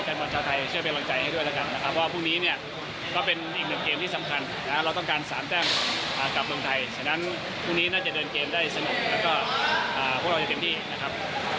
ฉะนั้นพรุ่งนี้น่าจะเดินเกมได้สนุกแล้วก็พวกเราจะเต็มที่นะครับ